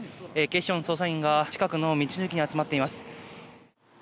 警視庁の捜査員が、近くの道の駅に集まっています。